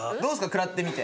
食らってみて。